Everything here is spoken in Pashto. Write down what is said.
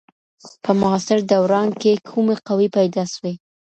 په معاصر دوران کي کومې قوې پیدا سوې؟